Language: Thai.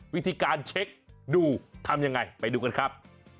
วิธีการเช็คดูทำยังไงไปดูกันครับ